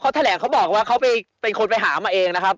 เขาแถลงเขาบอกว่าเขาเป็นคนไปหามาเองนะครับ